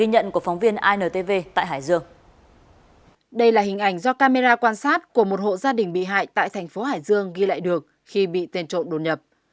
hình ảnh do camera quan sát của một hộ gia đình bị hại tại thành phố hải dương ghi lại được khi bị tên trộn đột nhập